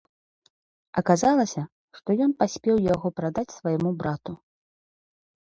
Аказалася, што ён паспеў яго прадаць свайму брату.